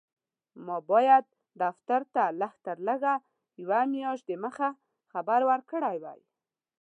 ما باید دفتر ته لږ تر لږه یوه میاشت دمخه خبر ورکړی وای.